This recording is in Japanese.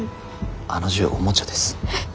あの銃おもちゃです。